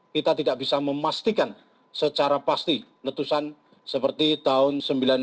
kita tidak bisa memastikan secara pasti letusan seperti tahun seribu sembilan ratus sembilan puluh